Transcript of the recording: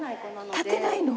立てないの？